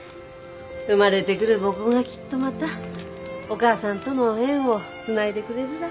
生まれてくるボコがきっとまたお母さんとの縁をつないでくれるら。